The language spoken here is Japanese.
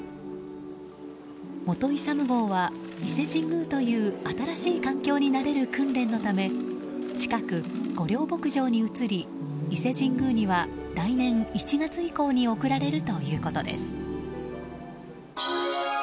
本勇号は伊勢神宮という新しい環境に慣れる訓練のため近く御料牧場に移り伊勢神宮には来年１月以降に贈られるということです。